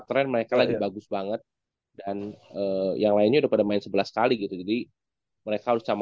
tren mereka lagi bagus banget dan yang lainnya udah pada main sebelas kali gitu jadi mereka harus sama